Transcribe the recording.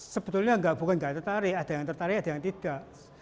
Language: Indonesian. sebetulnya bukan nggak tertarik ada yang tertarik ada yang tidak